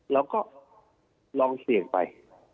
เราก็ลองเสี่ยงไป